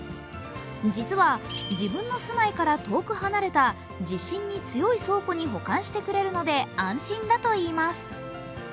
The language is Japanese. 実は自分の住まいから遠く離れた地震に強い倉庫に保管してくれるので安心だといいます。